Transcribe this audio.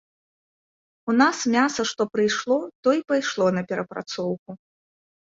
У нас мяса што прыйшло, то і пайшло на перапрацоўку.